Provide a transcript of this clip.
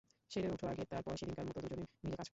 সেরে ওঠ আগে, তার পরে সেদিনকার মতো দুজনে মিলে কাজ করব।